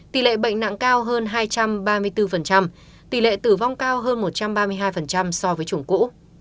tỷ lệ bệnh nặng cao hơn hai trăm ba mươi bốn tỷ lệ tử vong cao hơn một trăm ba mươi hai so với chủng cũ